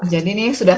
jadi ini sudah